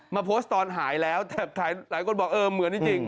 มาโพสต์ตอนหายแล้วแต่หลายคนบอกเออเหมือนจริง